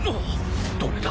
どれだ！？